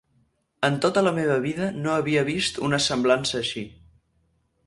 En tota la meva vida no havia vist una semblança així.